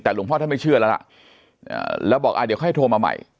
แต่หลวงพ่อท่านไม่เชื่อแล้วล่ะแล้วบอกเดี๋ยวค่อยโทรมาใหม่